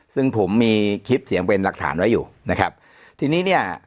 ซึ่งผมมีคลิปเสียงเป็นหลักฐานไว้อยู่นะครับทีนี้เนี่ย